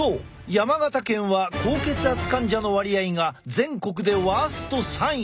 山形県は高血圧患者の割合が全国でワースト３位。